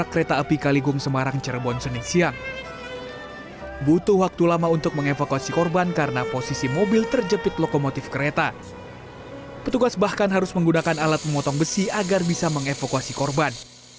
kembali ke kondisi evakuasi korban